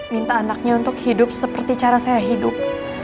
minta anaknya untuk hidup seperti cara saya hidup